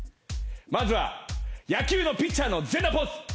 まずは野球のピッチャーの全裸ポーズ。